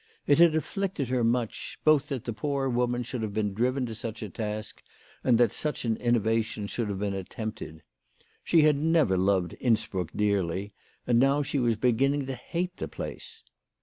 It had afflicted her much, both that the poor woman should have been driven to such a task, and that such an innovation should have been attempted. She had never loved Innsbruck dearly, and now she was beginning to hate the place.